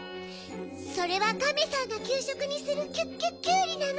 それはガメさんがきゅうしょくにするキュッキュッキュウリなの。